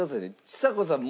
ちさ子さん